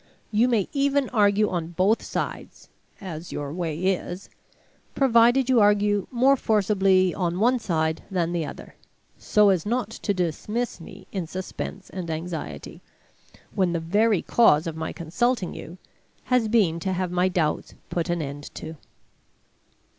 You may even argue on both sides (as your way is), provided you argue more forcibly on one side than the other, so as not to dismiss me in suspense and anxiety, when the very cause of my consulting you has been to have my doubts put an end to.